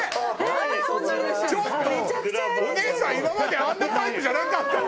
「お姉さん今まであんなタイプじゃなかったのに」